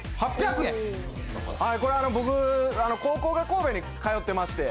これ僕高校が神戸に通ってまして。